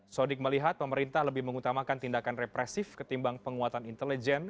sodik melihat pemerintah lebih mengutamakan tindakan represif ketimbang penguatan intelijen